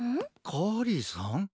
カーリーさん？